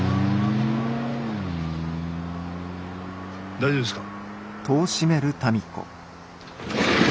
・大丈夫ですか？